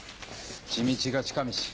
地道が近道。